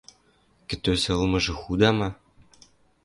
– Кӹтӧзӹ ылмыжы худа ма?